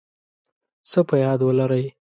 څه په یاد ولرئ